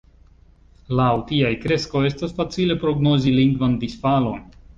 Laŭ tiaj kreskoj estas facile prognozi lingvan disfalon.